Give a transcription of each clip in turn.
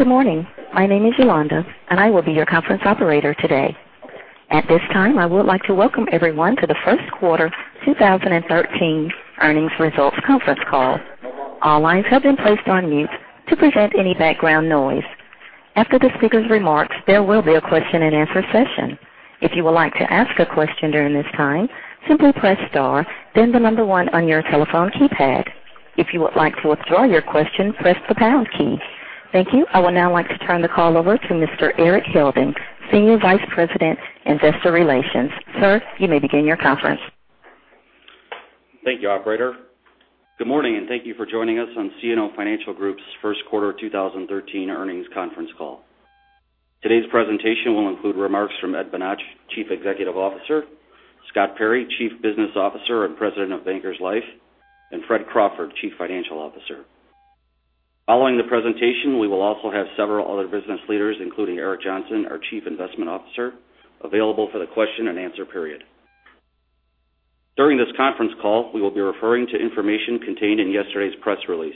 Good morning. My name is Yolanda, and I will be your conference operator today. At this time, I would like to welcome everyone to the first quarter 2013 earnings results conference call. All lines have been placed on mute to prevent any background noise. After the speaker's remarks, there will be a question and answer session. If you would like to ask a question during this time, simply press star then the number one on your telephone keypad. If you would like to withdraw your question, press the pound key. Thank you. I would now like to turn the call over to Mr. Erik Helding, Senior Vice President, Investor Relations. Sir, you may begin your conference. Thank you, operator. Good morning, and thank you for joining us on CNO Financial Group's first quarter 2013 earnings conference call. Today's presentation will include remarks from Ed Bonach, Chief Executive Officer, Scott Perry, Chief Business Officer and President of Bankers Life, and Fred Crawford, Chief Financial Officer. Following the presentation, we will also have several other business leaders, including Eric Johnson, our Chief Investment Officer, available for the question and answer period. During this conference call, we will be referring to information contained in yesterday's press release.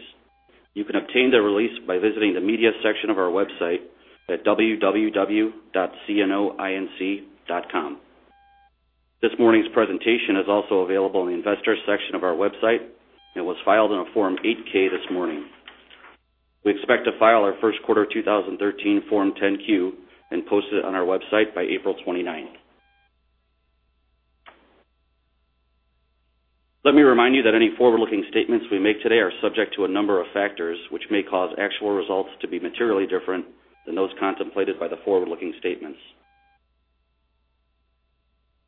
You can obtain the release by visiting the media section of our website at www.cnoinc.com. This morning's presentation is also available in the investor section of our website and was filed on a Form 8-K this morning. We expect to file our first quarter 2013 Form 10-Q and post it on our website by April twenty-ninth. Let me remind you that any forward-looking statements we make today are subject to a number of factors which may cause actual results to be materially different than those contemplated by the forward-looking statements.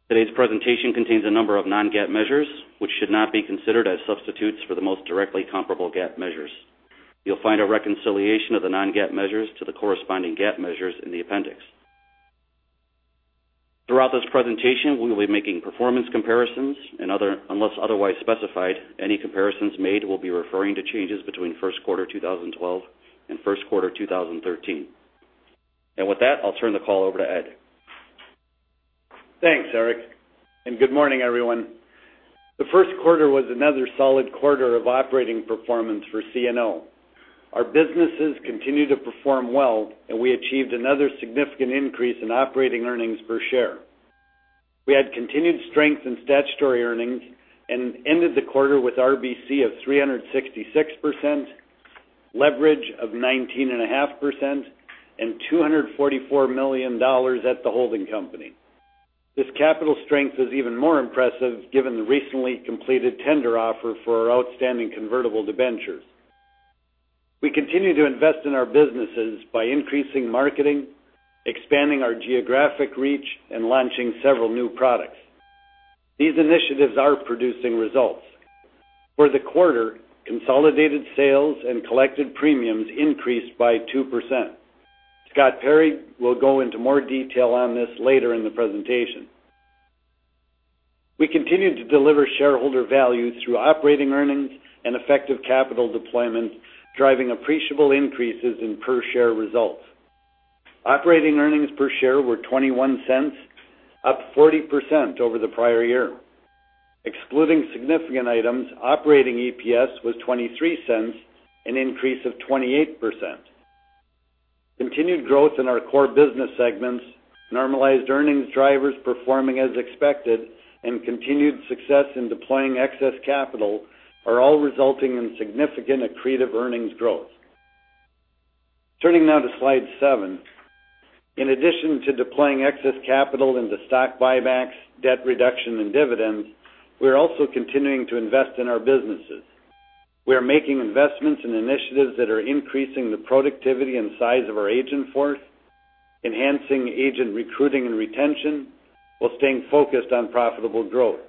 Today's presentation contains a number of non-GAAP measures, which should not be considered as substitutes for the most directly comparable GAAP measures. You'll find a reconciliation of the non-GAAP measures to the corresponding GAAP measures in the appendix. Throughout this presentation, we will be making performance comparisons, unless otherwise specified, any comparisons made will be referring to changes between first quarter 2012 and first quarter 2013. With that, I'll turn the call over to Ed. Thanks, Erik, and good morning, everyone. The first quarter was another solid quarter of operating performance for CNO. Our businesses continue to perform well, and we achieved another significant increase in operating earnings per share. We had continued strength in statutory earnings and ended the quarter with RBC of 366%, leverage of 19.5%, and $244 million at the holding company. This capital strength is even more impressive given the recently completed tender offer for our outstanding convertible debentures. We continue to invest in our businesses by increasing marketing, expanding our geographic reach, and launching several new products. These initiatives are producing results. For the quarter, consolidated sales and collected premiums increased by 2%. Scott Perry will go into more detail on this later in the presentation. We continue to deliver shareholder value through operating earnings and effective capital deployment, driving appreciable increases in per share results. Operating earnings per share were $0.21, up 40% over the prior year. Excluding significant items, operating EPS was $0.23, an increase of 28%. Continued growth in our core business segments, normalized earnings drivers performing as expected, and continued success in deploying excess capital are all resulting in significant accretive earnings growth. Turning now to slide seven. In addition to deploying excess capital into stock buybacks, debt reduction, and dividends, we are also continuing to invest in our businesses. We are making investments in initiatives that are increasing the productivity and size of our agent force, enhancing agent recruiting and retention, while staying focused on profitable growth.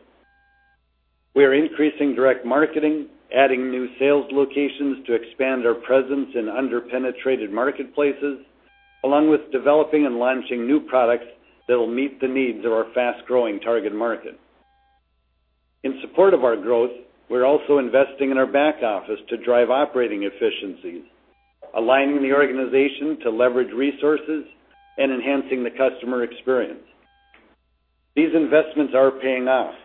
We are increasing direct marketing, adding new sales locations to expand our presence in under-penetrated marketplaces, along with developing and launching new products that will meet the needs of our fast-growing target market. In support of our growth, we are also investing in our back office to drive operating efficiencies, aligning the organization to leverage resources, and enhancing the customer experience. These investments are paying off.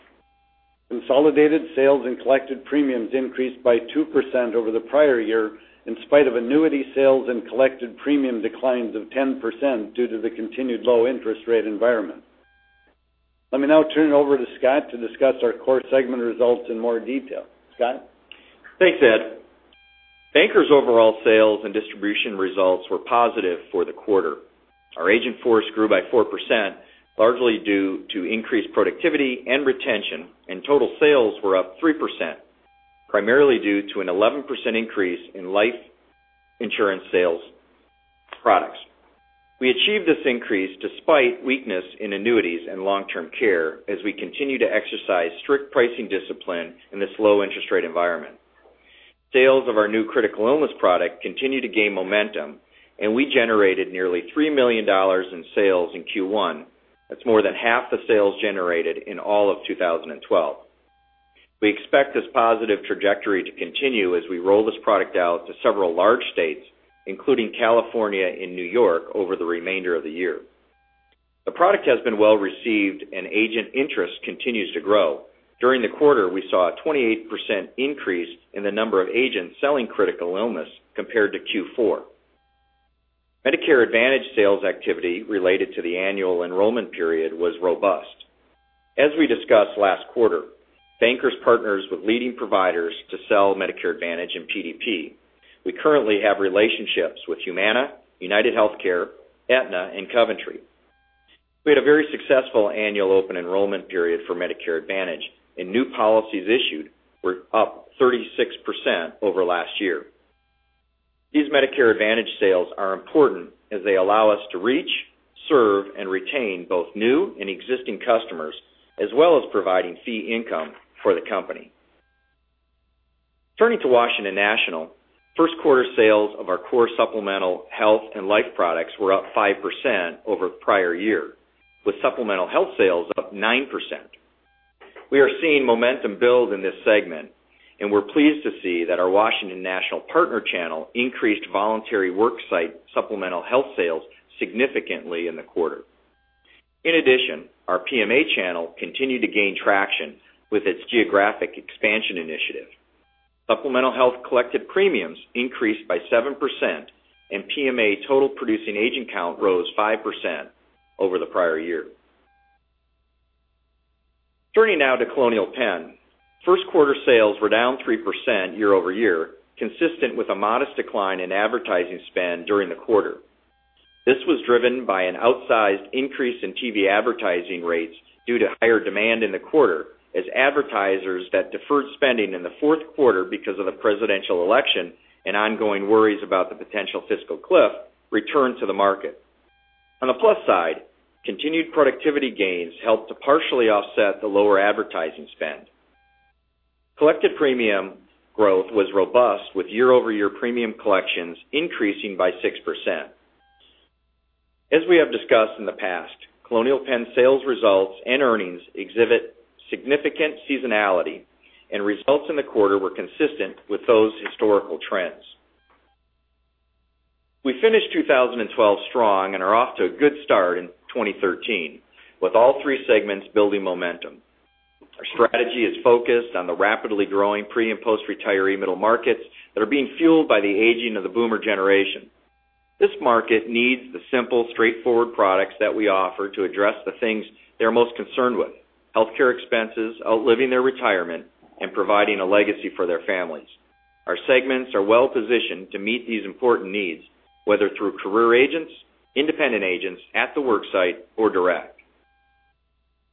Consolidated sales and collected premiums increased by 2% over the prior year in spite of annuity sales and collected premium declines of 10% due to the continued low interest rate environment. Let me now turn it over to Scott to discuss our core segment results in more detail. Scott? Thanks, Ed. Bankers overall sales and distribution results were positive for the quarter. Our agent force grew by 4%, largely due to increased productivity and retention, and total sales were up 3%, primarily due to an 11% increase in life insurance sales products. We achieved this increase despite weakness in annuities and long-term care as we continue to exercise strict pricing discipline in this low interest rate environment. Sales of our new critical illness product continue to gain momentum, and we generated nearly $3 million in sales in Q1. That is more than half the sales generated in all of 2012. We expect this positive trajectory to continue as we roll this product out to several large states, including California and New York over the remainder of the year. The product has been well-received, and agent interest continues to grow. During the quarter, we saw a 28% increase in the number of agents selling critical illness compared to Q4. Medicare Advantage sales activity related to the annual enrollment period was robust. As we discussed last quarter, Bankers partners with leading providers to sell Medicare Advantage and PDP. We currently have relationships with Humana, UnitedHealthcare, Aetna, and Coventry. We had a very successful annual open enrollment period for Medicare Advantage, and new policies issued were up 36% over last year. These Medicare Advantage sales are important as they allow us to reach, serve, and retain both new and existing customers, as well as providing fee income for the company. Turning to Washington National, first quarter sales of our core supplemental health and life products were up 5% over prior year, with supplemental health sales up 9%. We are seeing momentum build in this segment. We're pleased to see that our Washington National partner channel increased voluntary worksite supplemental health sales significantly in the quarter. In addition, our PMA channel continued to gain traction with its geographic expansion initiative. Supplemental health collected premiums increased by 7%, and PMA total producing agent count rose 5% over the prior year. Turning now to Colonial Penn. First quarter sales were down 3% year-over-year, consistent with a modest decline in advertising spend during the quarter. This was driven by an outsized increase in TV advertising rates due to higher demand in the quarter, as advertisers that deferred spending in the fourth quarter because of the presidential election and ongoing worries about the potential fiscal cliff returned to the market. On the plus side, continued productivity gains helped to partially offset the lower advertising spend. Collected premium growth was robust, with year-over-year premium collections increasing by 6%. As we have discussed in the past, Colonial Penn sales results and earnings exhibit significant seasonality. Results in the quarter were consistent with those historical trends. We finished 2012 strong and are off to a good start in 2013, with all three segments building momentum. Our strategy is focused on the rapidly growing pre- and post-retiree middle markets that are being fueled by the aging of the boomer generation. This market needs the simple, straightforward products that we offer to address the things they're most concerned with: healthcare expenses, outliving their retirement, and providing a legacy for their families. Our segments are well-positioned to meet these important needs, whether through career agents, independent agents, at the work site, or direct.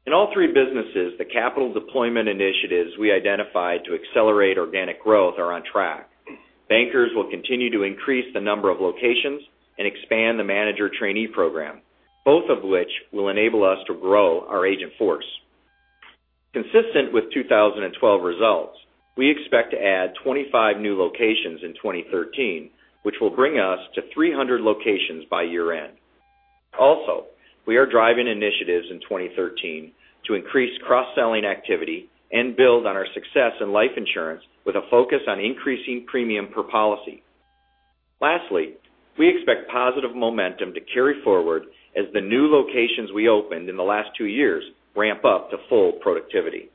In all three businesses, the capital deployment initiatives we identified to accelerate organic growth are on track. Bankers will continue to increase the number of locations and expand the manager trainee program, both of which will enable us to grow our agent force. Consistent with 2012 results, we expect to add 25 new locations in 2013, which will bring us to 300 locations by year-end. We are driving initiatives in 2013 to increase cross-selling activity and build on our success in life insurance with a focus on increasing premium per policy. Lastly, we expect positive momentum to carry forward as the new locations we opened in the last two years ramp up to full productivity.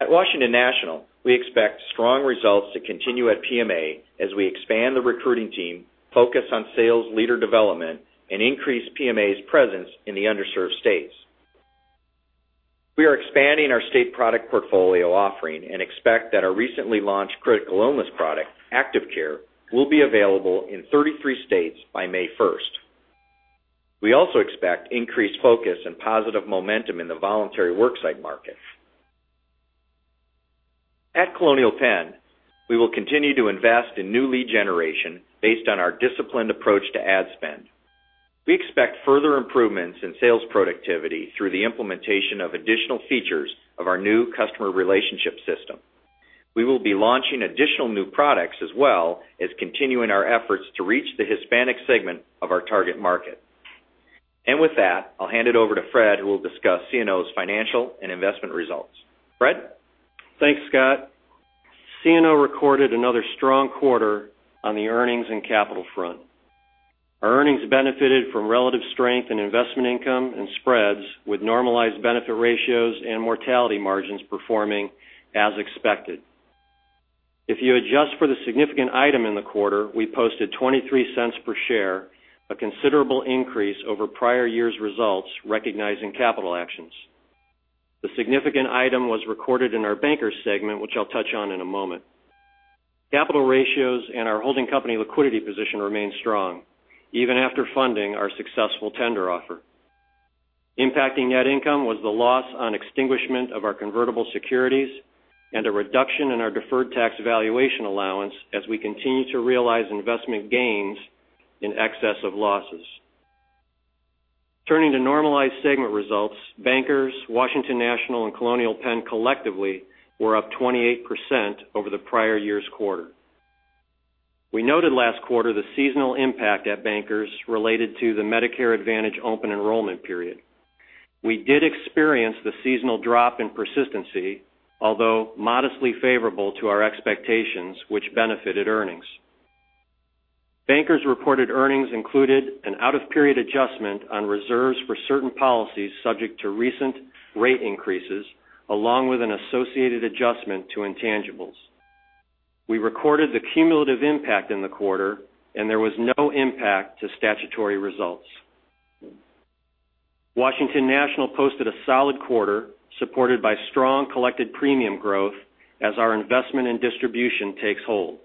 At Washington National, we expect strong results to continue at PMA as we expand the recruiting team, focus on sales leader development, and increase PMA's presence in the underserved states. We are expanding our state product portfolio offering and expect that our recently launched critical illness product, Active Care, will be available in 33 states by May 1st. We also expect increased focus and positive momentum in the voluntary worksite market. At Colonial Penn, we will continue to invest in new lead generation based on our disciplined approach to ad spend. We expect further improvements in sales productivity through the implementation of additional features of our new customer relationship system. We will be launching additional new products as well as continuing our efforts to reach the Hispanic segment of our target market. With that, I'll hand it over to Fred, who will discuss CNO's financial and investment results. Fred? Thanks, Scott. CNO recorded another strong quarter on the earnings and capital front. Our earnings benefited from relative strength in investment income and spreads with normalized benefit ratios and mortality margins performing as expected. If you adjust for the significant item in the quarter, we posted $0.23 per share, a considerable increase over prior year's results recognizing capital actions. The significant item was recorded in our Bankers Life segment, which I'll touch on in a moment. Capital ratios and our holding company liquidity position remain strong, even after funding our successful tender offer. Impacting net income was the loss on extinguishment of our convertible securities and a reduction in our deferred tax valuation allowance as we continue to realize investment gains in excess of losses. Turning to normalized segment results, Bankers Life, Washington National, and Colonial Penn collectively were up 28% over the prior year's quarter. We noted last quarter the seasonal impact at Bankers Life related to the Medicare Advantage open enrollment period. We did experience the seasonal drop in persistency, although modestly favorable to our expectations, which benefited earnings. Bankers Life reported earnings included an out-of-period adjustment on reserves for certain policies subject to recent rate increases, along with an associated adjustment to intangibles. We recorded the cumulative impact in the quarter, and there was no impact to statutory results. Washington National posted a solid quarter, supported by strong collected premium growth as our investment in distribution takes hold.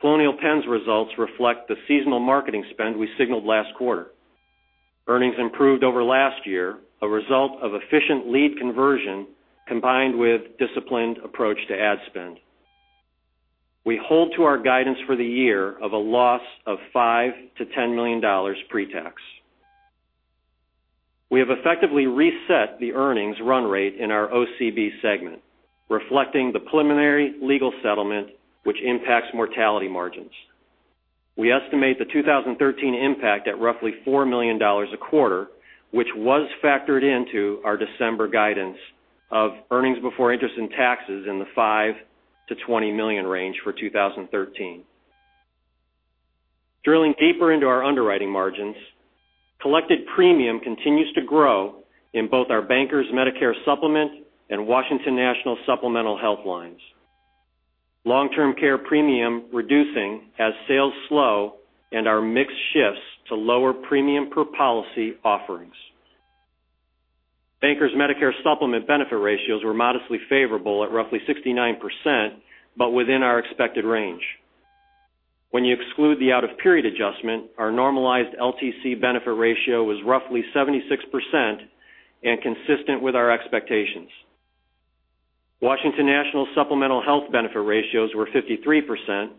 Colonial Penn's results reflect the seasonal marketing spend we signaled last quarter. Earnings improved over last year, a result of efficient lead conversion combined with disciplined approach to ad spend. We hold to our guidance for the year of a loss of $5 million to $10 million pre-tax. We have effectively reset the earnings run rate in our OCB segment, reflecting the preliminary legal settlement which impacts mortality margins. We estimate the 2013 impact at roughly $4 million a quarter, which was factored into our December guidance of earnings before interest and taxes in the $5 million to $20 million range for 2013. Drilling deeper into our underwriting margins, collected premium continues to grow in both our Bankers Life Medicare Supplement and Washington National Supplemental Health lines. Long-term care premium reducing as sales slow and our mix shifts to lower premium per policy offerings. Bankers Life Medicare Supplement benefit ratios were modestly favorable at roughly 69%, but within our expected range. When you exclude the out-of-period adjustment, our normalized LTC benefit ratio was roughly 76% and consistent with our expectations. Washington National Supplemental Health benefit ratios were 53%,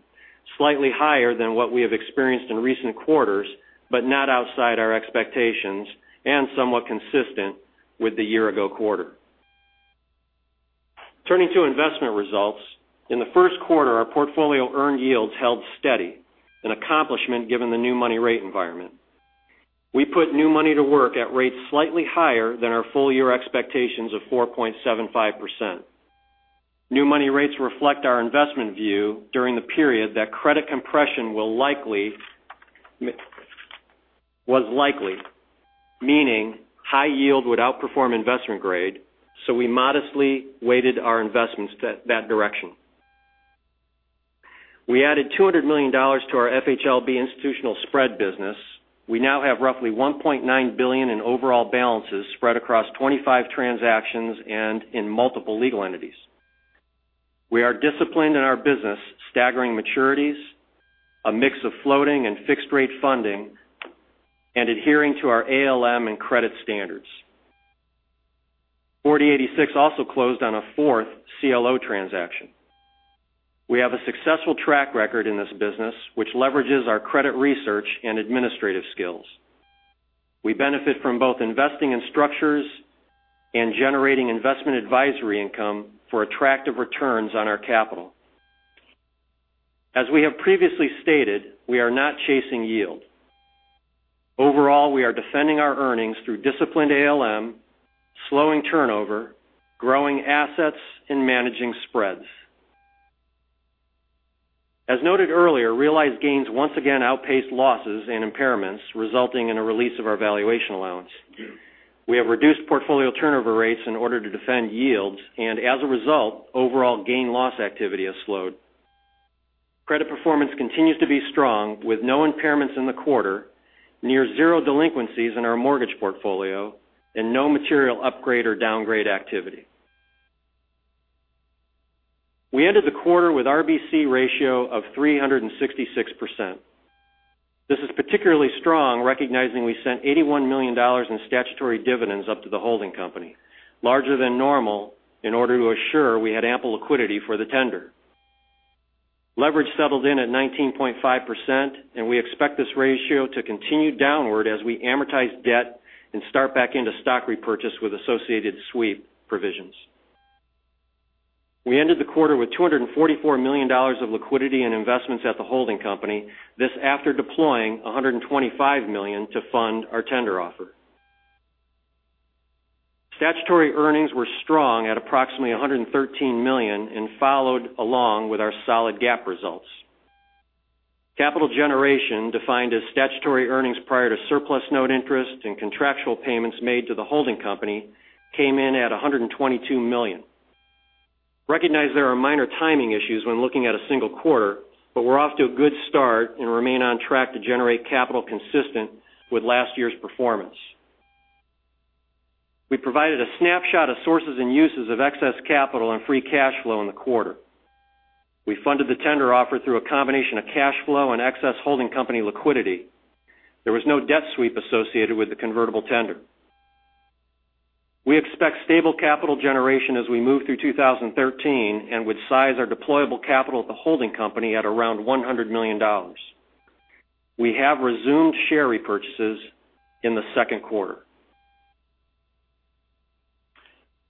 slightly higher than what we have experienced in recent quarters, but not outside our expectations and somewhat consistent with the year-ago quarter. Turning to investment results, in the first quarter, our portfolio earned yields held steady, an accomplishment given the new money rate environment. We put new money to work at rates slightly higher than our full-year expectations of 4.75%. New money rates reflect our investment view during the period that credit compression was likely, meaning high yield would outperform investment grade, so we modestly weighted our investments that direction. We added $200 million to our FHLB institutional spread business. We now have roughly $1.9 billion in overall balances spread across 25 transactions and in multiple legal entities. We are disciplined in our business, staggering maturities, a mix of floating and fixed-rate funding, and adhering to our ALM and credit standards. 4086 also closed on a fourth CLO transaction. We have a successful track record in this business, which leverages our credit research and administrative skills. We benefit from both investing in structures and generating investment advisory income for attractive returns on our capital. As we have previously stated, we are not chasing yield. Overall, we are defending our earnings through disciplined ALM, slowing turnover, growing assets, and managing spreads. As noted earlier, realized gains once again outpaced losses and impairments, resulting in a release of our valuation allowance. We have reduced portfolio turnover rates in order to defend yields, and as a result, overall gain loss activity has slowed. Credit performance continues to be strong, with no impairments in the quarter, near zero delinquencies in our mortgage portfolio, and no material upgrade or downgrade activity. We ended the quarter with RBC ratio of 366%. This is particularly strong, recognizing we sent $81 million in statutory dividends up to the holding company, larger than normal, in order to assure we had ample liquidity for the tender. Leverage settled in at 19.5%, and we expect this ratio to continue downward as we amortize debt and start back into stock repurchase with associated sweep provisions. We ended the quarter with $244 million of liquidity and investments at the holding company. This after deploying $125 million to fund our tender offer. Statutory earnings were strong at approximately $113 million and followed along with our solid GAAP results. Capital generation, defined as statutory earnings prior to surplus note interest and contractual payments made to the holding company, came in at $122 million. Recognize there are minor timing issues when looking at a single quarter, we're off to a good start and remain on track to generate capital consistent with last year's performance. We provided a snapshot of sources and uses of excess capital and free cash flow in the quarter. We funded the tender offer through a combination of cash flow and excess holding company liquidity. There was no debt sweep associated with the convertible tender. We expect stable capital generation as we move through 2013 and would size our deployable capital at the holding company at around $100 million. We have resumed share repurchases in the second quarter.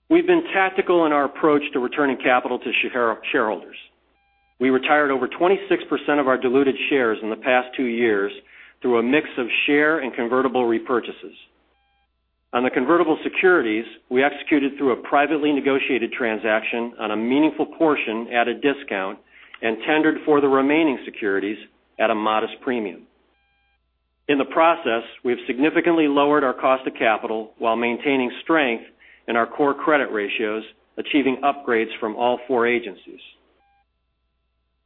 We've been tactical in our approach to returning capital to shareholders. We retired over 26% of our diluted shares in the past two years through a mix of share and convertible repurchases. On the convertible securities, we executed through a privately negotiated transaction on a meaningful portion at a discount and tendered for the remaining securities at a modest premium. In the process, we've significantly lowered our cost of capital while maintaining strength in our core credit ratios, achieving upgrades from all four agencies.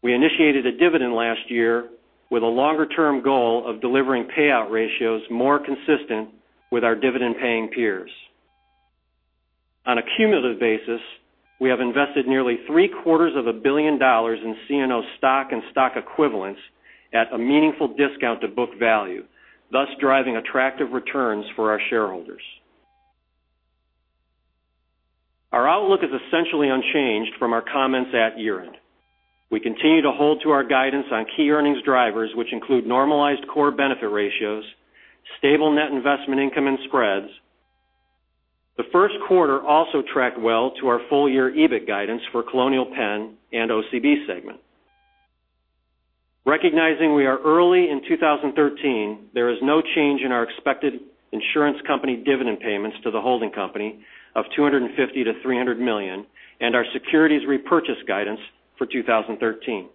We initiated a dividend last year with a longer-term goal of delivering payout ratios more consistent with our dividend-paying peers. On a cumulative basis, we have invested nearly three-quarters of a billion dollars in CNO stock and stock equivalents at a meaningful discount to book value, thus driving attractive returns for our shareholders. Our outlook is essentially unchanged from our comments at year-end. We continue to hold to our guidance on key earnings drivers, which include normalized core benefit ratios, stable net investment income and spreads. The first quarter also tracked well to our full-year EBIT guidance for Colonial Penn and OCB segment. Recognizing we are early in 2013, there is no change in our expected insurance company dividend payments to the holding company of $250 million-$300 million and our securities repurchase guidance for 2013.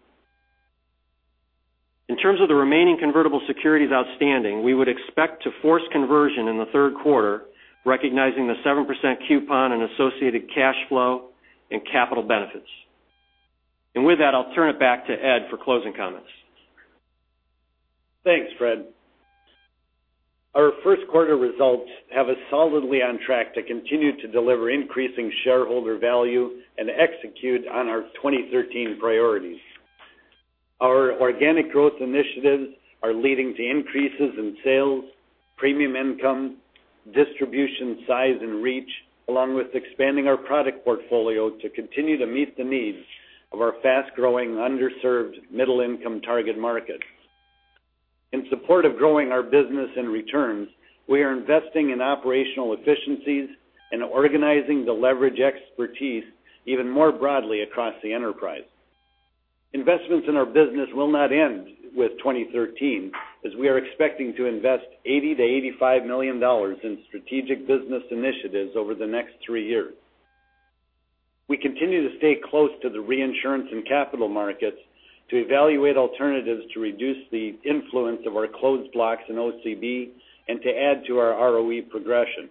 In terms of the remaining convertible securities outstanding, we would expect to force conversion in the third quarter, recognizing the 7% coupon and associated cash flow and capital benefits. With that, I'll turn it back to Ed for closing comments. Thanks, Fred. Our first quarter results have us solidly on track to continue to deliver increasing shareholder value and execute on our 2013 priorities. Our organic growth initiatives are leading to increases in sales, premium income, distribution size, and reach, along with expanding our product portfolio to continue to meet the needs of our fast-growing, underserved middle-income target markets. In support of growing our business and returns, we are investing in operational efficiencies and organizing the leverage expertise even more broadly across the enterprise. Investments in our business will not end with 2013 as we are expecting to invest $80 million-$85 million in strategic business initiatives over the next three years. We continue to stay close to the reinsurance and capital markets to evaluate alternatives to reduce the influence of our closed blocks in OCB and to add to our ROE progression.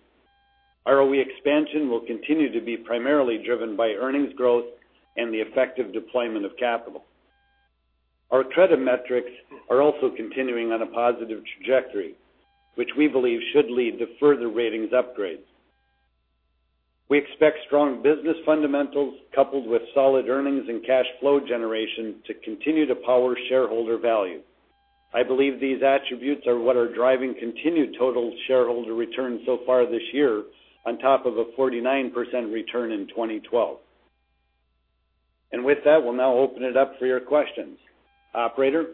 ROE expansion will continue to be primarily driven by earnings growth and the effective deployment of capital. Our credit metrics are also continuing on a positive trajectory, which we believe should lead to further ratings upgrades. We expect strong business fundamentals coupled with solid earnings and cash flow generation to continue to power shareholder value. I believe these attributes are what are driving continued total shareholder return so far this year on top of a 49% return in 2012. With that, we'll now open it up for your questions. Operator?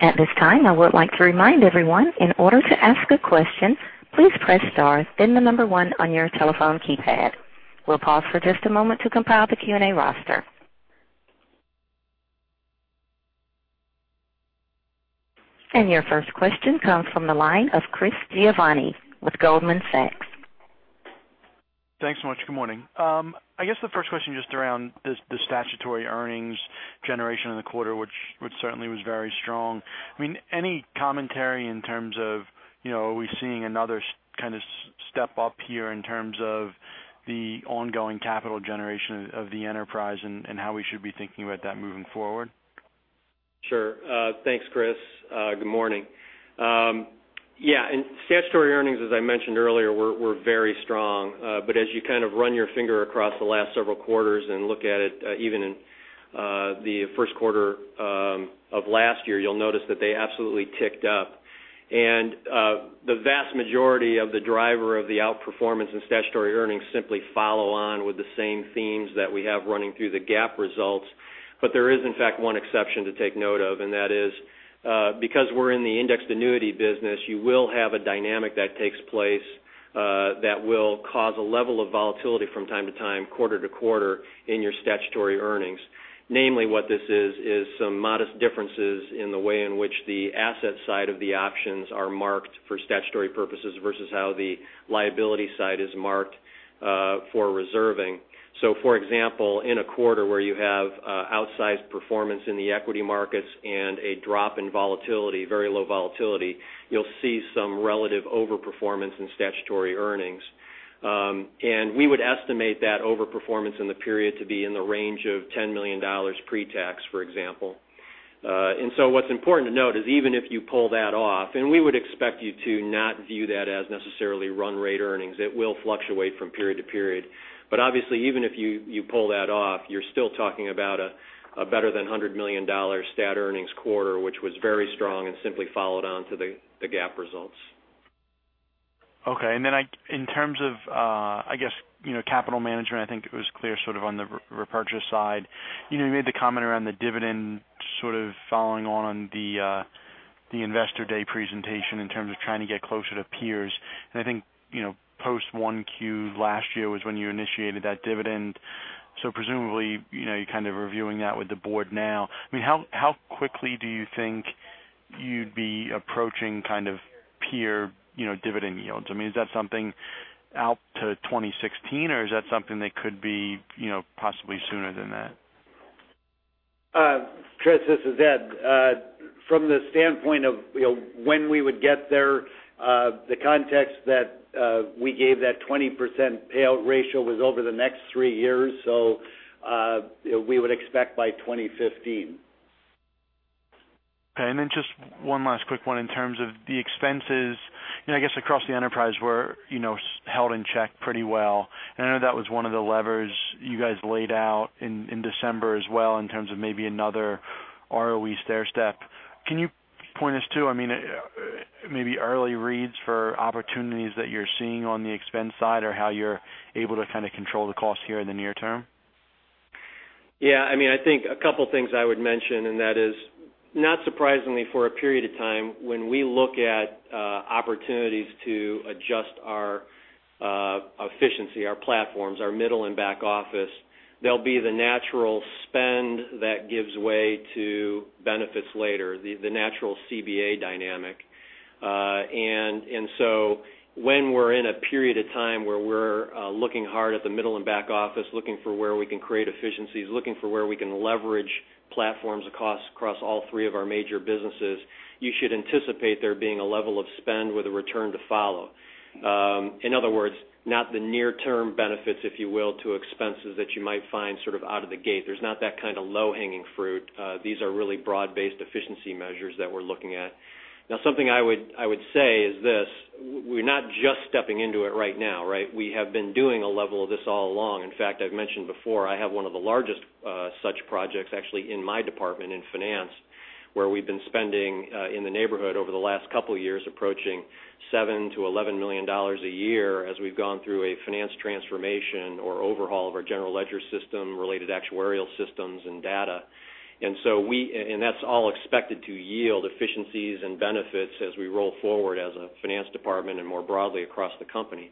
At this time, I would like to remind everyone in order to ask a question, please press star, then the number one on your telephone keypad. We'll pause for just a moment to compile the Q&A roster. Your first question comes from the line of Chris Giovanni with Goldman Sachs. Thanks so much. Good morning. I guess the first question just around the statutory earnings generation in the quarter, which certainly was very strong. Any commentary in terms of, are we seeing another kind of step up here in terms of the ongoing capital generation of the enterprise and how we should be thinking about that moving forward? Sure. Thanks, Chris. Good morning. Yeah, statutory earnings, as I mentioned earlier, were very strong. As you kind of run your finger across the last several quarters and look at it even in the first quarter of last year, you'll notice that they absolutely ticked up. The vast majority of the driver of the outperformance in statutory earnings simply follow on with the same themes that we have running through the GAAP results. There is, in fact, one exception to take note of, that is because we're in the indexed annuity business, you will have a dynamic that takes place that will cause a level of volatility from time to time, quarter to quarter in your statutory earnings. Namely, what this is some modest differences in the way in which the asset side of the options are marked for statutory purposes versus how the liability side is marked for reserving. For example, in a quarter where you have outsized performance in the equity markets and a drop in volatility, very low volatility, you'll see some relative overperformance in statutory earnings. We would estimate that overperformance in the period to be in the range of $10 million pre-tax, for example. What's important to note is even if you pull that off, and we would expect you to not view that as necessarily run rate earnings, it will fluctuate from period to period. Obviously, even if you pull that off, you're still talking about a better than $100 million stat earnings quarter, which was very strong and simply followed on to the GAAP results. Okay. In terms of capital management, I think it was clear sort of on the repurchase side. You made the comment around the dividend sort of following on the Investor Day presentation in terms of trying to get closer to peers. I think, post 1Q last year was when you initiated that dividend. Presumably, you're reviewing that with the board now. How quickly do you think you'd be approaching peer dividend yields? Is that something out to 2016, or is that something that could be possibly sooner than that? Chris, this is Ed. From the standpoint of when we would get there, the context that we gave that 20% payout ratio was over the next three years. We would expect by 2015. Okay. Just one last quick one in terms of the expenses, I guess across the enterprise were held in check pretty well. I know that was one of the levers you guys laid out in December as well in terms of maybe another ROE stairstep. Can you point us to, maybe early reads for opportunities that you're seeing on the expense side or how you're able to control the cost here in the near term? Yeah, I think a couple things I would mention, and that is, not surprisingly for a period of time when we look at opportunities to adjust our efficiency, our platforms, our middle and back office, they'll be the natural spend that gives way to benefits later, the natural CBA dynamic. When we're in a period of time where we're looking hard at the middle and back office, looking for where we can create efficiencies, looking for where we can leverage platforms across all three of our major businesses, you should anticipate there being a level of spend with a return to follow. In other words, not the near term benefits, if you will, to expenses that you might find sort of out of the gate. There's not that kind of low-hanging fruit. These are really broad-based efficiency measures that we're looking at. Now, something I would say is this, we're not just stepping into it right now, right? We have been doing a level of this all along. In fact, I've mentioned before, I have one of the largest such projects actually in my department in finance, where we've been spending in the neighborhood over the last couple of years approaching $7 million-$11 million a year as we've gone through a finance transformation or overhaul of our general ledger system, related actuarial systems and data. That's all expected to yield efficiencies and benefits as we roll forward as a finance department and more broadly across the company.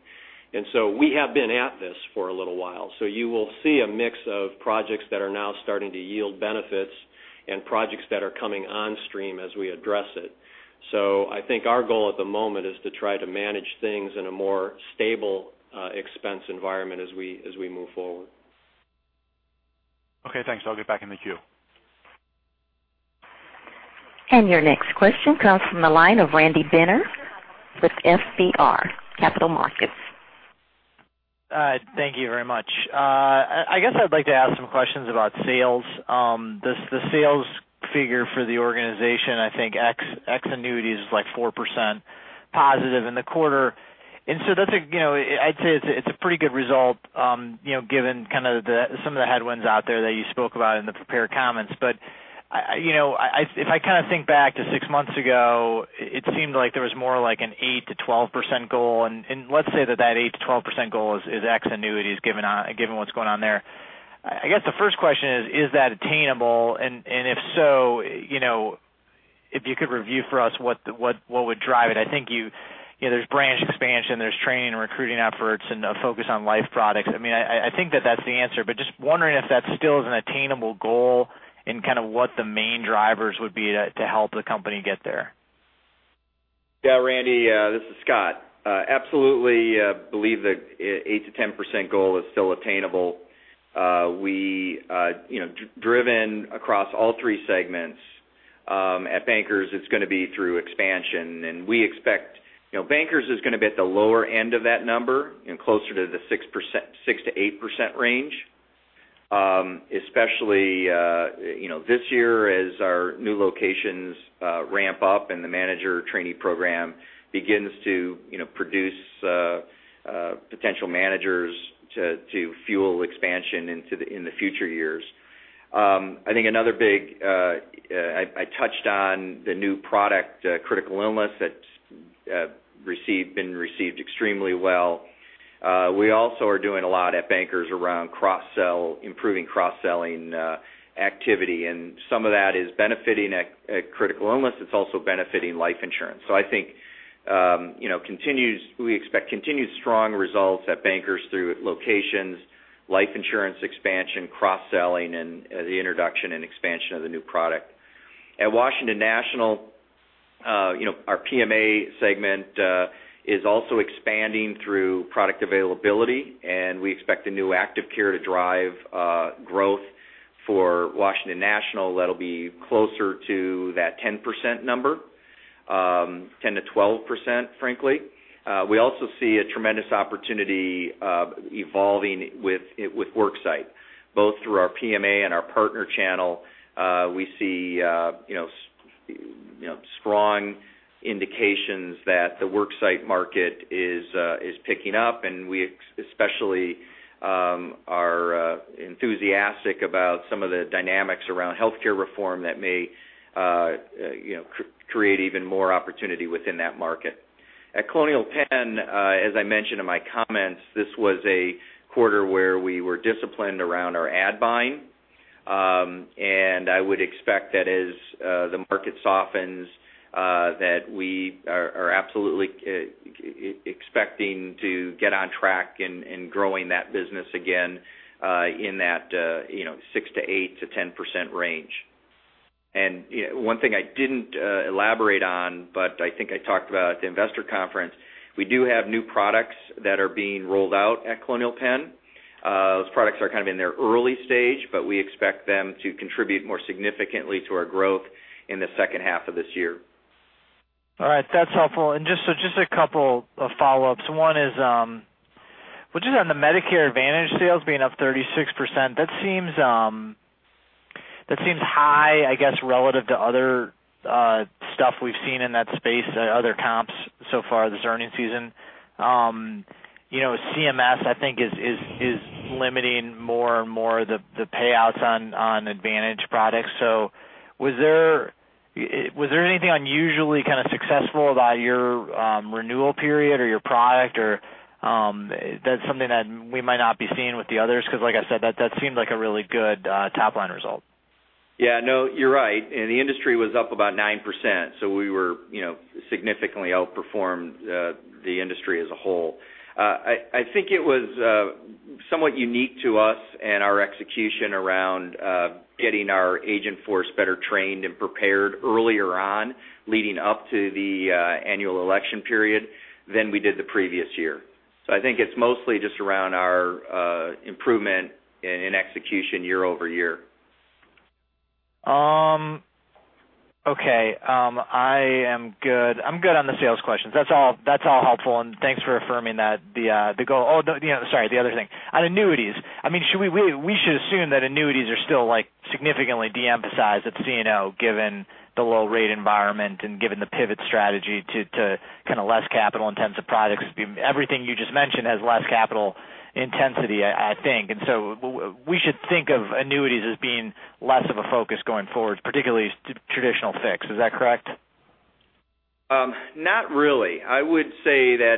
We have been at this for a little while. You will see a mix of projects that are now starting to yield benefits and projects that are coming on stream as we address it. I think our goal at the moment is to try to manage things in a more stable expense environment as we move forward. Okay, thanks. I'll get back in the queue. Your next question comes from the line of Randy Binner with FBR Capital Markets. Thank you very much. I guess I'd like to ask some questions about sales. The sales figure for the organization, I think ex annuities is 4% positive in the quarter. I'd say it's a pretty good result given some of the headwinds out there that you spoke about in the prepared comments. If I think back to six months ago, it seemed like there was more like an 8%-12% goal, and let's say that 8%-12% goal is ex annuities given what's going on there. I guess the first question is that attainable? If so, if you could review for us what would drive it. I think there's branch expansion, there's training and recruiting efforts, and a focus on life products. I think that that's the answer, but just wondering if that still is an attainable goal and what the main drivers would be to help the company get there. Yeah, Randy, this is Scott. Absolutely believe the 8%-10% goal is still attainable. Driven across all 3 segments at Bankers Life, it's going to be through expansion. Bankers Life is going to be at the lower end of that number and closer to the 6%-8% range, especially this year as our new locations ramp up and the manager trainee program begins to produce potential managers to fuel expansion in the future years. I touched on the new product, critical illness, that's been received extremely well. We also are doing a lot at Bankers Life around improving cross-selling activity, and some of that is benefiting critical illness. It's also benefiting life insurance. We expect continued strong results at Bankers Life through locations, life insurance expansion, cross-selling, and the introduction and expansion of the new product. At Washington National, our PMA segment is also expanding through product availability, and we expect the new Active Care to drive growth for Washington National that'll be closer to that 10% number, 10%-12%, frankly. We also see a tremendous opportunity evolving with worksite. Both through our PMA and our partner channel, we see strong indications that the worksite market is picking up, and we especially are enthusiastic about some of the dynamics around healthcare reform that may create even more opportunity within that market. At Colonial Penn, as I mentioned in my comments, this was a quarter where we were disciplined around our ad buying I would expect that as the market softens, that we are absolutely expecting to get on track in growing that business again in that 6%-8%-10% range. One thing I didn't elaborate on, but I think I talked about at the investor conference, we do have new products that are being rolled out at Colonial Penn. Those products are in their early stage, but we expect them to contribute more significantly to our growth in the second half of this year. All right. That's helpful. Just a couple of follow-ups. One is, just on the Medicare Advantage sales being up 36%, that seems high, I guess, relative to other stuff we've seen in that space at other comps so far this earnings season. CMS, I think is limiting more and more the payouts on Advantage products. Was there anything unusually kind of successful about your renewal period or your product, or that's something that we might not be seeing with the others, because like I said, that seemed like a really good top-line result. Yeah. No, you're right. The industry was up about 9%. We significantly outperformed the industry as a whole. I think it was somewhat unique to us and our execution around getting our agent force better trained and prepared earlier on leading up to the annual election period than we did the previous year. I think it's mostly just around our improvement in execution year-over-year. Okay. I am good. I'm good on the sales questions. That's all helpful and thanks for affirming that. Sorry, the other thing. On annuities, we should assume that annuities are still significantly de-emphasized at CNO, given the low rate environment and given the pivot strategy to kind of less capital-intensive products. Everything you just mentioned has less capital intensity, I think. We should think of annuities as being less of a focus going forward, particularly traditional fixed. Is that correct? Not really. I would say that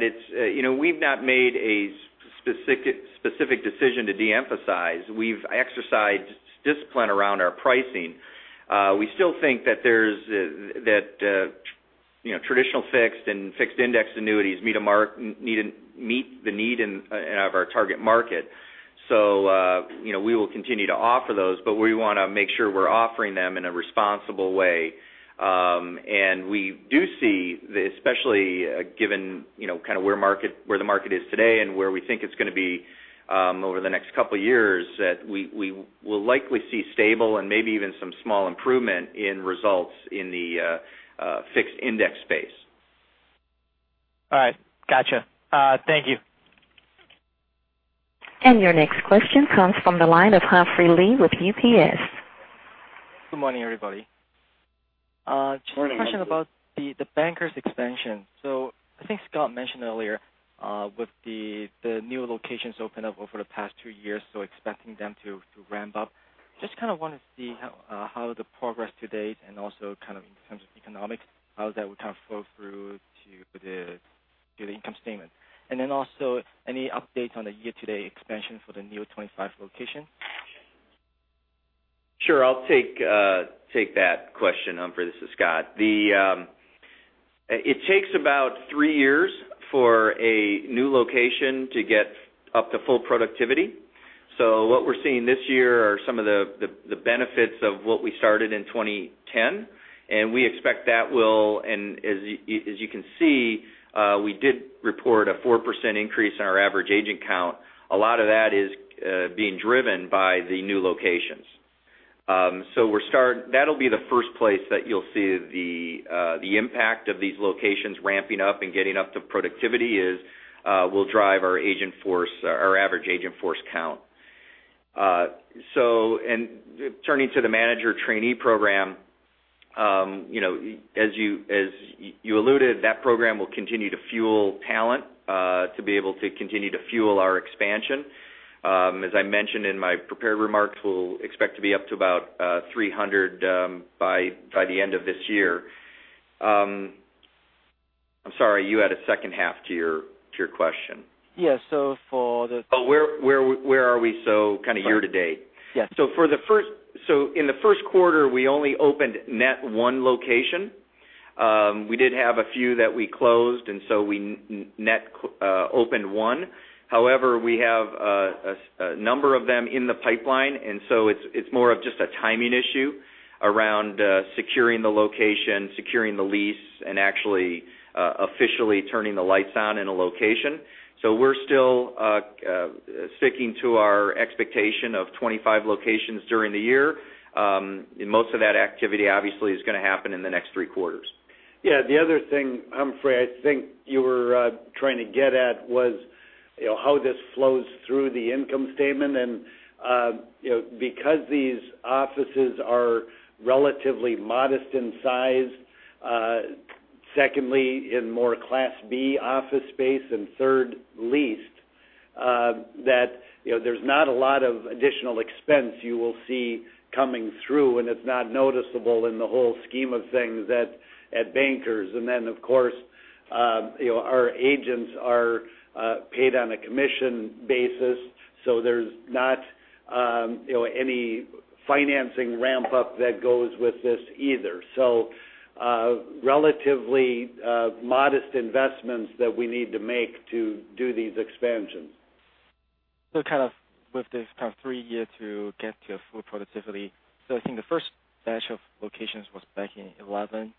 we've not made a specific decision to de-emphasize. We've exercised discipline around our pricing. We still think that traditional fixed and fixed indexed annuities meet the need of our target market. We will continue to offer those, but we want to make sure we're offering them in a responsible way. We do see, especially given where the market is today and where we think it's going to be over the next couple of years, that we will likely see stable and maybe even some small improvement in results in the fixed index space. All right. Got you. Thank you. Your next question comes from the line of Humphrey Lee with UBS. Good morning, everybody. Morning. Just a question about the Bankers expansion. I think Scott mentioned earlier, with the new locations opened up over the past two years, expecting them to ramp up. Just kind of want to see how the progress to date and also in terms of economics, how that would kind of flow through to the income statement. Then also, any updates on the year-to-date expansion for the new 25 location? Sure. I'll take that question, Humphrey. This is Scott. It takes about three years for a new location to get up to full productivity. What we're seeing this year are some of the benefits of what we started in 2010. As you can see, we did report a 4% increase in our average agent count. A lot of that is being driven by the new locations. That'll be the first place that you'll see the impact of these locations ramping up and getting up to productivity is will drive our average agent force count. Turning to the manager trainee program, as you alluded, that program will continue to fuel talent to be able to continue to fuel our expansion. As I mentioned in my prepared remarks, we'll expect to be up to about 300 by the end of this year. I'm sorry, you had a second half to your question. Yes. Where are we so kind of year-to-date? Yes. In the first quarter, we only opened net one location. We did have a few that we closed, we net opened one. However, we have a number of them in the pipeline, it's more of just a timing issue around securing the location, securing the lease, and actually officially turning the lights on in a location. We're still sticking to our expectation of 25 locations during the year. Most of that activity obviously is going to happen in the next three quarters. The other thing, Humphrey, I think you were trying to get at was how this flows through the income statement. Because these offices are relatively modest in size, secondly, in more Class B office space, third, leased, that there's not a lot of additional expense you will see coming through, and it's not noticeable in the whole scheme of things at Bankers Life. Of course, our agents are paid on a commission basis, there's not. Any financing ramp up that goes with this either. Relatively modest investments that we need to make to do these expansions. With this three-year to get to full productivity, I think the first batch of locations was back in 2011,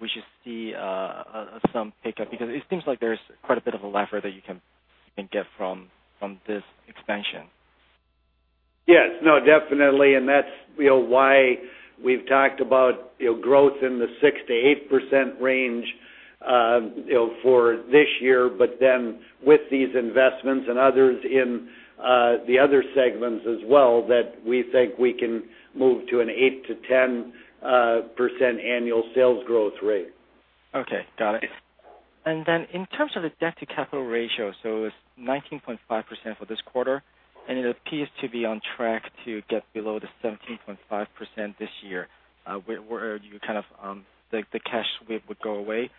we should see some pickup, because it seems like there's quite a bit of a lever that you can get from this expansion. Yes. No, definitely. That's why we've talked about growth in the 6%-8% range for this year, but then with these investments and others in the other segments as well, that we think we can move to an 8%-10% annual sales growth rate. Okay. Got it. Then in terms of the debt to capital ratio, it was 19.5% for this quarter, and it appears to be on track to get below the 17.5% this year, where the kind of cash sweep would go away.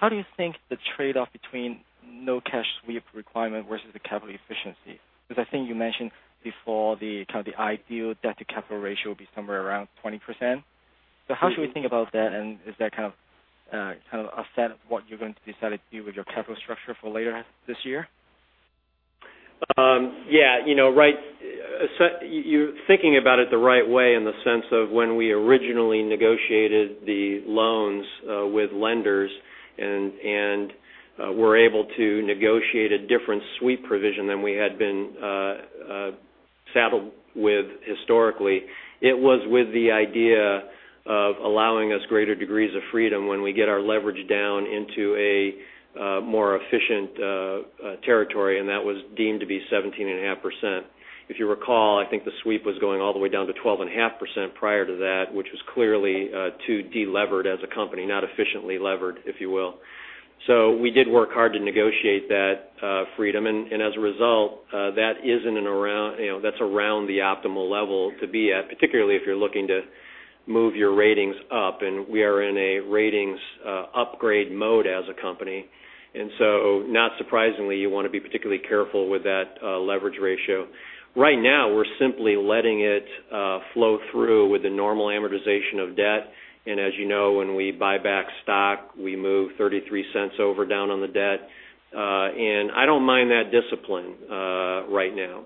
How do you think the trade-off between no cash sweep requirement versus the capital efficiency? Because I think you mentioned before the ideal debt to capital ratio would be somewhere around 20%. How should we think about that, and is that kind of offset what you're going to decide to do with your capital structure for later this year? Yeah. You're thinking about it the right way in the sense of when we originally negotiated the loans with lenders and were able to negotiate a different sweep provision than we had been saddled with historically. It was with the idea of allowing us greater degrees of freedom when we get our leverage down into a more efficient territory, and that was deemed to be 17.5%. If you recall, I think the sweep was going all the way down to 12.5% prior to that, which was clearly too de-levered as a company, not efficiently levered, if you will. We did work hard to negotiate that freedom, and as a result, that's around the optimal level to be at, particularly if you're looking to move your ratings up, and we are in a ratings upgrade mode as a company, and so not surprisingly, you want to be particularly careful with that leverage ratio. Right now, we're simply letting it flow through with the normal amortization of debt, and as you know, when we buy back stock, we move $0.33 over down on the debt. I don't mind that discipline right now,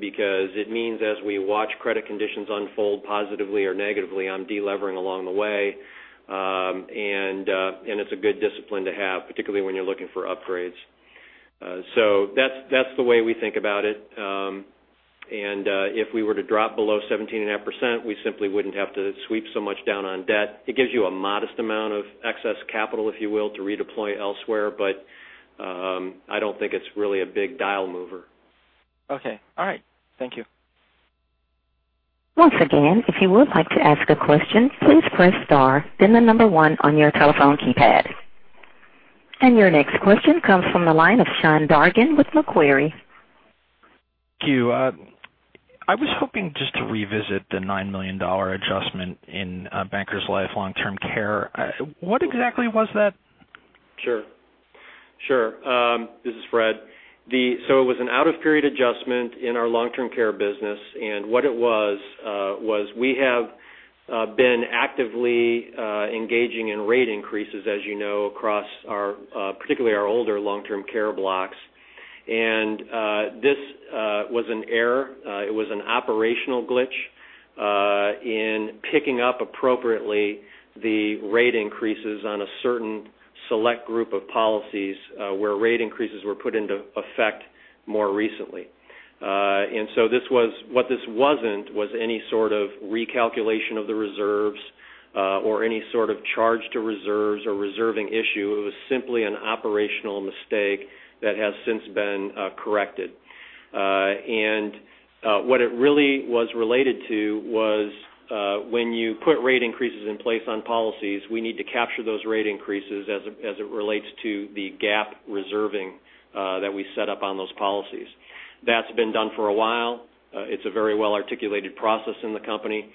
because it means as we watch credit conditions unfold positively or negatively, I'm de-levering along the way, and it's a good discipline to have, particularly when you're looking for upgrades. That's the way we think about it. If we were to drop below 17.5%, we simply wouldn't have to sweep so much down on debt. It gives you a modest amount of excess capital, if you will, to redeploy elsewhere, but I don't think it's really a big dial mover. Okay. All right. Thank you. Once again, if you would like to ask a question, please press star, then the number one on your telephone keypad. Your next question comes from the line of Sean Dargan with Macquarie. Thank you. I was hoping just to revisit the $9 million adjustment in Bankers Life long-term care. What exactly was that? Sure. This is Fred. It was an out-of-period adjustment in our long-term care business, we have been actively engaging in rate increases, as you know, across particularly our older long-term care blocks. This was an error. It was an operational glitch in picking up appropriately the rate increases on a certain select group of policies where rate increases were put into effect more recently. What this wasn't, was any sort of recalculation of the reserves or any sort of charge to reserves or reserving issue. It was simply an operational mistake that has since been corrected. What it really was related to was when you put rate increases in place on policies, we need to capture those rate increases as it relates to the GAAP reserving that we set up on those policies. That's been done for a while. It's a very well-articulated process in the company.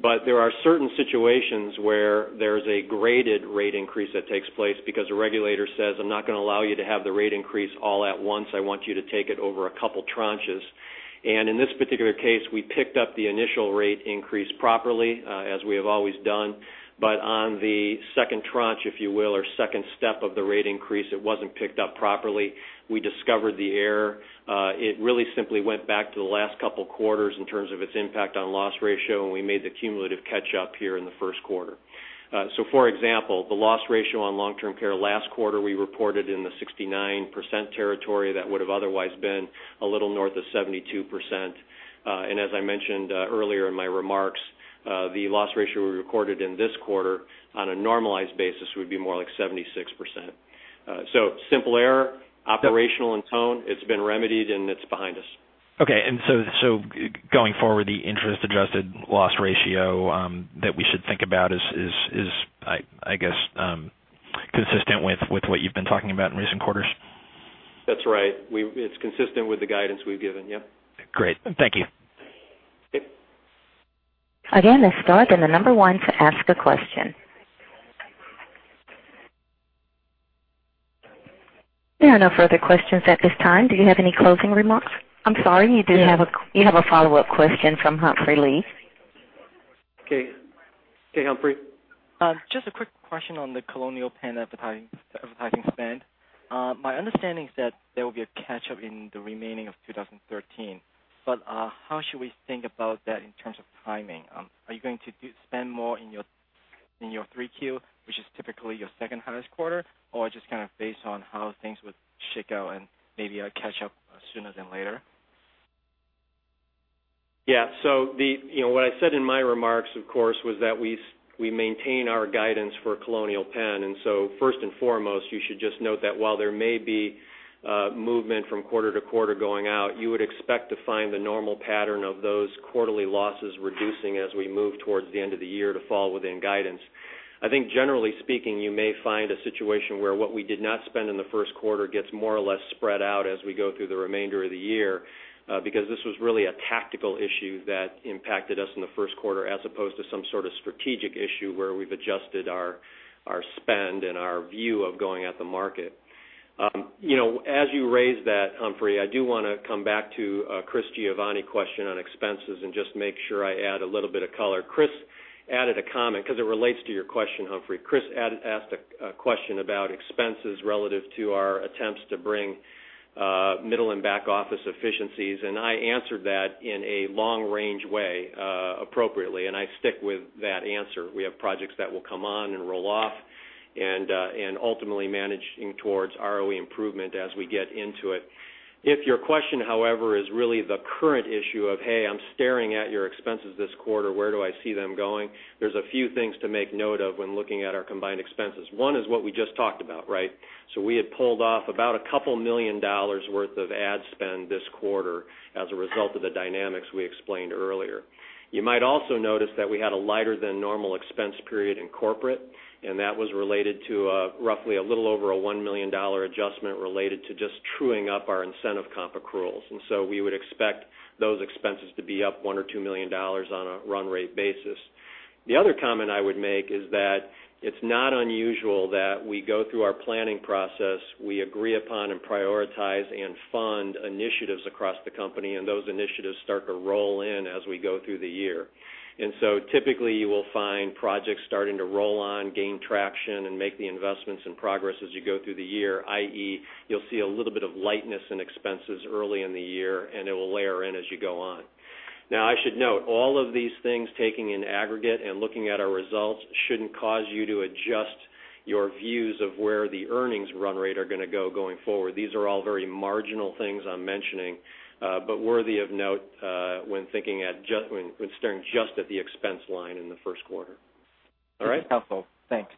There are certain situations where there's a graded rate increase that takes place because a regulator says, I'm not going to allow you to have the rate increase all at once. I want you to take it over a couple tranches. In this particular case, we picked up the initial rate increase properly, as we have always done. On the second tranche, if you will, or second step of the rate increase, it wasn't picked up properly. We discovered the error. It really simply went back to the last couple of quarters in terms of its impact on loss ratio, we made the cumulative catch up here in the first quarter. For example, the loss ratio on long-term care last quarter, we reported in the 69% territory that would have otherwise been a little north of 72%. As I mentioned earlier in my remarks, the loss ratio we recorded in this quarter on a normalized basis would be more like 76%. Simple error, operational in tone. It's been remedied and it's behind us. Okay. Going forward, the interest-adjusted loss ratio that we should think about is, I guess, consistent with what you've been talking about in recent quarters? That's right. It's consistent with the guidance we've given. Yep. Great. Thank you. Okay. Again, it's star, then the number one to ask a question. There are no further questions at this time. Do you have any closing remarks? I'm sorry. Yeah. You have a follow-up question from Humphrey Lee. Okay. Humphrey? Just a quick question on the Colonial Penn advertising spend. My understanding is that there will be a catch-up in the remaining of 2013, how should we think about that in terms of timing? Are you going to spend more in your 3Q, which is typically your second highest quarter, or just kind of based on how things would shake out and maybe a catch-up sooner than later? Yeah. What I said in my remarks, of course, was that we maintain our guidance for Colonial Penn. First and foremost, you should just note that while there may be movement from quarter to quarter going out, you would expect to find the normal pattern of those quarterly losses reducing as we move towards the end of the year to fall within guidance. I think generally speaking, you may find a situation where what we did not spend in the first quarter gets more or less spread out as we go through the remainder of the year, because this was really a tactical issue that impacted us in the first quarter as opposed to some sort of strategic issue where we've adjusted our spend and our view of going at the market. As you raise that, Humphrey, I do want to come back to Chris Giovanni question on expenses and just make sure I add a little bit of color. Chris added a comment because it relates to your question, Humphrey. Chris asked a question about expenses relative to our attempts to bring middle and back office efficiencies, I answered that in a long-range way appropriately, I stick with that answer. We have projects that will come on and roll off and ultimately managing towards ROE improvement as we get into it. If your question, however, is really the current issue of, hey, I'm staring at your expenses this quarter, where do I see them going? There's a few things to make note of when looking at our combined expenses. One is what we just talked about. We had pulled off about a couple million dollars worth of ad spend this quarter as a result of the dynamics we explained earlier. You might also notice that we had a lighter than normal expense period in corporate, and that was related to roughly a little over a $1 million adjustment related to just truing up our incentive comp accruals. We would expect those expenses to be up $1 or $2 million on a run rate basis. The other comment I would make is that it's not unusual that we go through our planning process, we agree upon and prioritize and fund initiatives across the company, and those initiatives start to roll in as we go through the year. Typically you will find projects starting to roll on, gain traction, and make the investments and progress as you go through the year, i.e., you'll see a little bit of lightness in expenses early in the year, and it will layer in as you go on. I should note, all of these things, taking in aggregate and looking at our results, shouldn't cause you to adjust your views of where the earnings run rate are going to go going forward. These are all very marginal things I am mentioning, but worthy of note when staring just at the expense line in the first quarter. All right? Helpful. Thanks.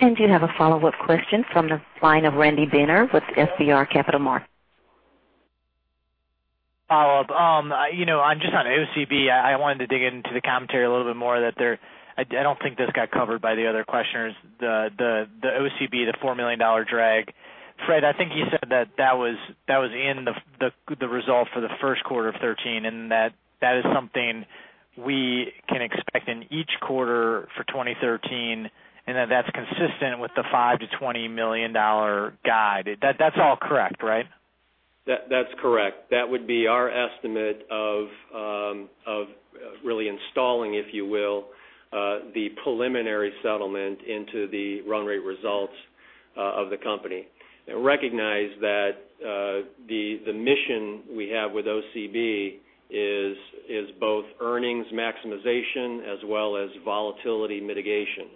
You have a follow-up question from the line of Randy Binner with FBR Capital Markets. Follow-up. Just on OCB, I wanted to dig into the commentary a little bit more. I don't think this got covered by the other questioners. The OCB, the $4 million drag. Fred, I think you said that was in the result for the first quarter of 2013. That is something we can expect in each quarter for 2013. That's consistent with the $5 million-$20 million guide. That's all correct, right? That's correct. That would be our estimate of really installing, if you will, the preliminary settlement into the run rate results of the company. Recognize that the mission we have with OCB is both earnings maximization as well as volatility mitigation.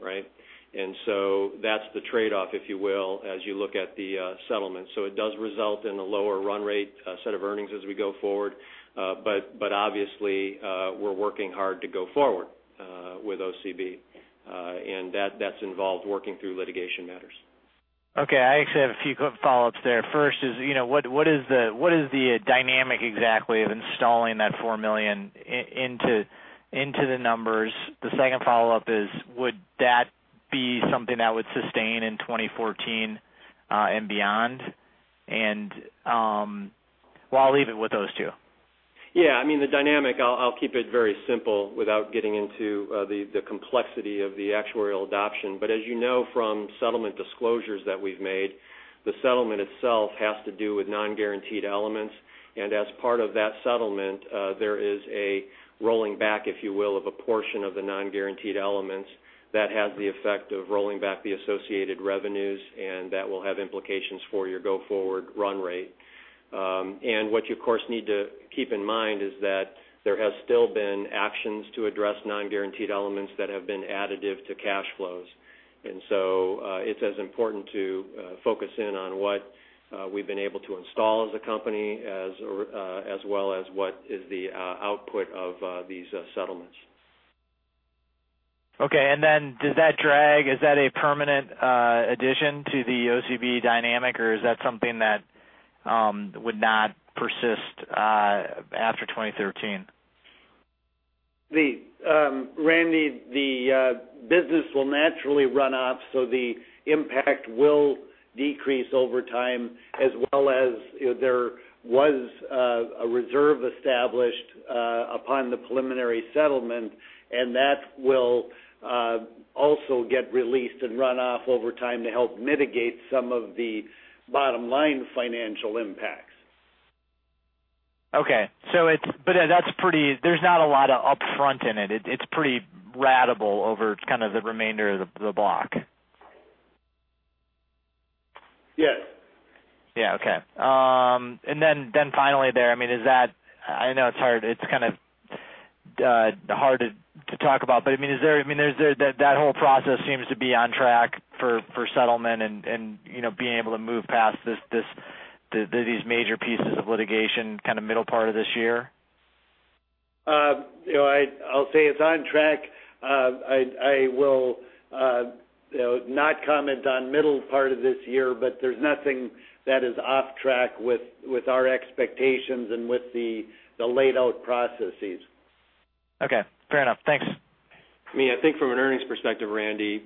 That's the trade-off, if you will, as you look at the settlement. It does result in a lower run rate set of earnings as we go forward. Obviously, we're working hard to go forward with OCB. That's involved working through litigation matters. Okay. I actually have a few quick follow-ups there. First is, what is the dynamic exactly of installing that $4 million into the numbers? The second follow-up is, would that be something that would sustain in 2014 and beyond? Well, I'll leave it with those two. Yeah. I mean, the dynamic, I'll keep it very simple without getting into the complexity of the actuarial adoption. As you know from settlement disclosures that we've made, the settlement itself has to do with non-guaranteed elements. As part of that settlement, there is a rolling back, if you will, of a portion of the non-guaranteed elements that has the effect of rolling back the associated revenues, that will have implications for your go-forward run rate. What you of course need to keep in mind is that there has still been actions to address non-guaranteed elements that have been additive to cash flows. It's as important to focus in on what we've been able to install as a company, as well as what is the output of these settlements. Okay. Then does that drag, is that a permanent addition to the OCB dynamic, or is that something that would not persist after 2013? Randy, the business will naturally run off, so the impact will decrease over time, as well as there was a reserve established upon the preliminary settlement, and that will also get released and run off over time to help mitigate some of the bottom-line financial impacts. Okay. There's not a lot of upfront in it. It's pretty ratable over the remainder of the block. Yes. Yeah. Okay. Then finally there, I know it's kind of hard to talk about, but that whole process seems to be on track for settlement and being able to move past these major pieces of litigation middle part of this year. I'll say it's on track. I will not comment on middle part of this year, there's nothing that is off track with our expectations and with the laid out processes. Okay. Fair enough. Thanks. I think from an earnings perspective, Randy,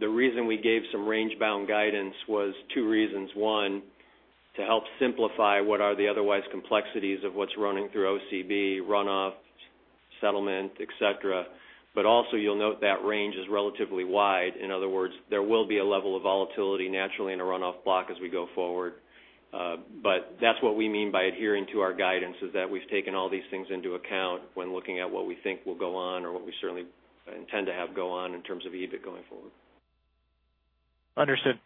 the reason we gave some range-bound guidance was two reasons. One, to help simplify what are the otherwise complexities of what's running through OCB, runoff, settlement, et cetera. Also you'll note that range is relatively wide. In other words, there will be a level of volatility naturally in a runoff block as we go forward. That's what we mean by adhering to our guidance, is that we've taken all these things into account when looking at what we think will go on or what we certainly intend to have go on in terms of EBIT going forward. Understood.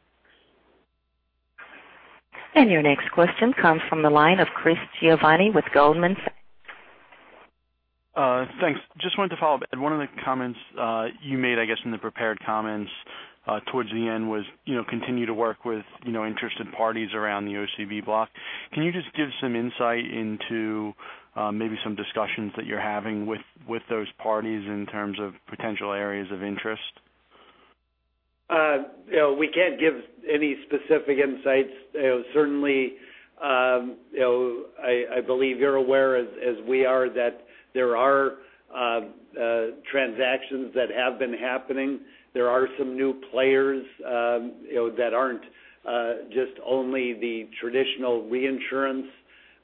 Your next question comes from the line of Chris Giovanni with Goldman Sachs. Thanks. Just wanted to follow up. One of the comments you made, I guess in the prepared comments towards the end was continue to work with interested parties around the OCB block. Can you just give some insight into maybe some discussions that you're having with those parties in terms of potential areas of interest? We can't give any specific insights. Certainly, I believe you're aware as we are that there are transactions that have been happening. There are some new players that aren't just only the traditional reinsurance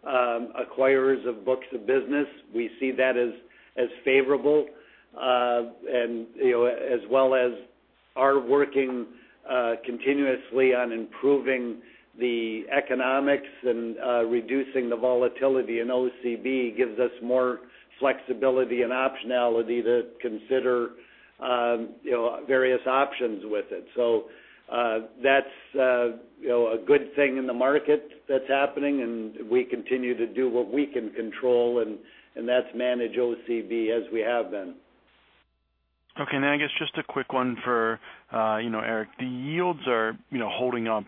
acquirers of books of business. We see that as favorable, as well as our working continuously on improving the economics and reducing the volatility in OCB gives us more flexibility and optionality to consider various options with it. That's a good thing in the market that's happening, and we continue to do what we can control, and that's manage OCB as we have been. Okay. I guess just a quick one for Eric. The yields are holding up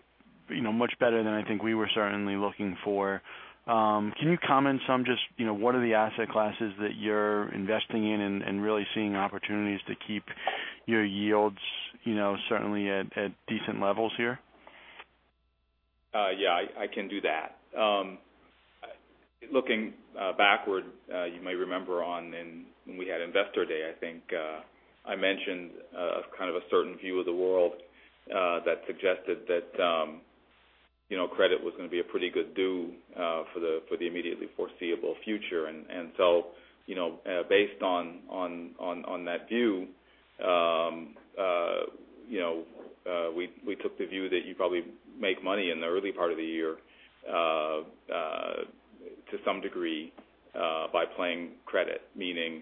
much better than I think we were certainly looking for. Can you comment some just what are the asset classes that you're investing in and really seeing opportunities to keep your yields certainly at decent levels here? Yeah, I can do that. Looking backward, you may remember when we had Investor Day, I think I mentioned kind of a certain view of the world that suggested that credit was going to be a pretty good do for the immediately foreseeable future. Based on that view, we took the view that you probably make money in the early part of the year to some degree by playing credit, meaning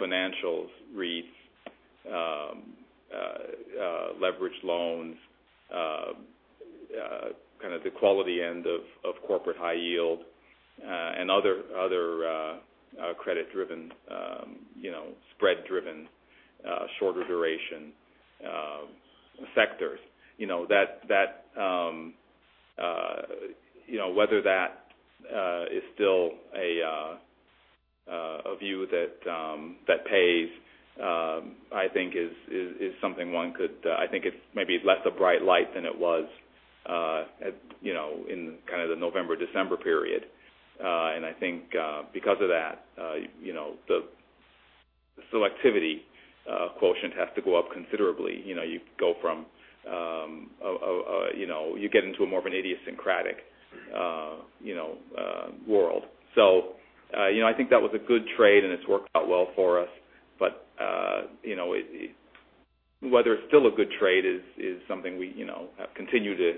financials, REITs, leveraged loans, kind of the quality end of corporate high yield, and other credit-driven, spread-driven shorter duration sectors. Whether that is still a view that pays I think it's maybe less a bright light than it was in kind of the November-December period. I think because of that the selectivity quotient has to go up considerably. You get into a more of an idiosyncratic world. I think that was a good trade, and it's worked out well for us. Whether it's still a good trade is something we have continued to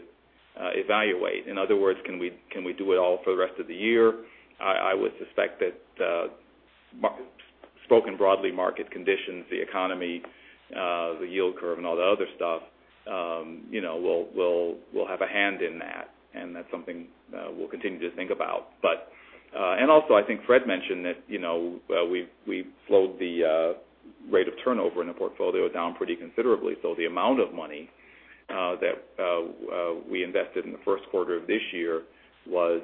evaluate. In other words, can we do it all for the rest of the year? I would suspect that spoken broadly market conditions, the economy, the yield curve, and all the other stuff will have a hand in that. That's something we'll continue to think about. Also, I think Fred mentioned that we've slowed the rate of turnover in the portfolio down pretty considerably. The amount of money that we invested in the first quarter of this year was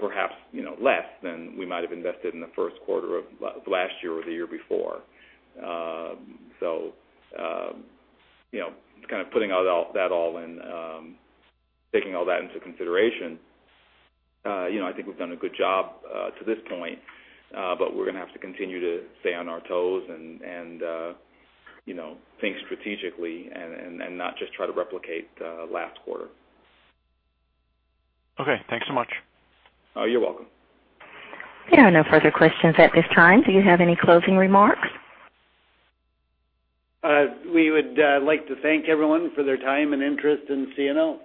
perhaps less than we might have invested in the first quarter of last year or the year before. Just kind of putting that all in, taking all that into consideration I think we've done a good job to this point. We're going to have to continue to stay on our toes and think strategically and not just try to replicate last quarter. Okay. Thanks so much. Oh, you're welcome. There are no further questions at this time. Do you have any closing remarks? We would like to thank everyone for their time and interest in CNO.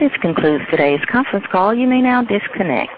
This concludes today's conference call. You may now disconnect.